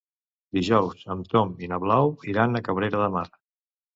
Dijous en Tom i na Blau iran a Cabrera de Mar.